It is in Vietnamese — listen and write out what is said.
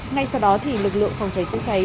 ngay sau đó thì lực lượng phòng cháy chữa cháy